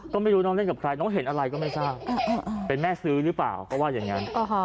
ก็ไม่รู้น้องเล่นกับใครน้องเห็นอะไรก็ไม่ทราบเป็นแม่ซื้อหรือเปล่าก็ว่าอย่างนั้น